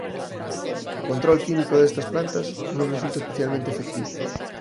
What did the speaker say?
O control químico destas plantas non resulta especialmente efectivo.